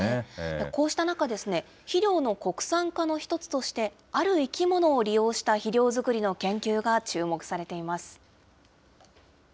こうした中、肥料の国産化の一つとして、ある生き物を利用した肥料作りの研究が注目されています。